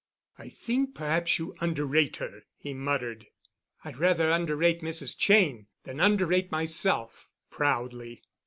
"I think perhaps you underrate her," he muttered. "I'd rather underrate Mrs. Cheyne than underrate myself," proudly.